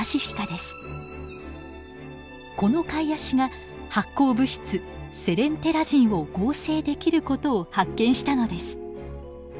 このカイアシが発光物質セレンテラジンを合成できる事を発見したのです。